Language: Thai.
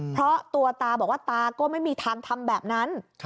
เพราะตัวตาบอกว่าตาก็ไม่มีทางทำแบบนั้น